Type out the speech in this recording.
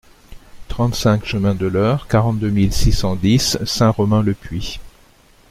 trente-cinq chemin de l'Heurt, quarante-deux mille six cent dix Saint-Romain-le-Puy